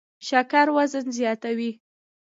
شکر وزن زیاتوي